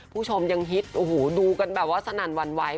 ผู้ชมยังฮิตโอ้โหดูกันแบบว่าสนั่นหวั่นไหว